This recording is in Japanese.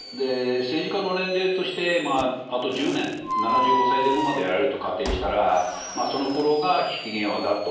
政治家の年齢としてあと１０年、７５歳前後までやられると仮定したらその頃が引き際だと。